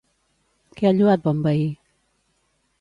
Què ha lloat Bonvehí?